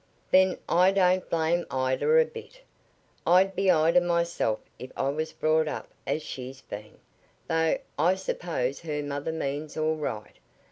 "Then I don't blame Ida a bit. I'd be Ida myself if I was brought up as she's been, though I suppose her mother means all right.